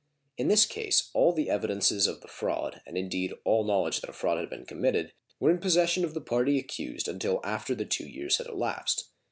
In this case all the evidences of the fraud, and, indeed, all knowledge that a fraud had been committed, were in possession of the party accused until after the two years had elapsed.